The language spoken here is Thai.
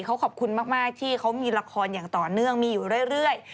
เขาขอบคุณมากที่เขามีละครอย่างต่อเนื่องมีอยู่เรื่อย